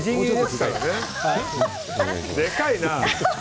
でかいな。